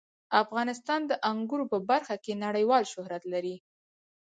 افغانستان د انګورو په برخه کې نړیوال شهرت لري.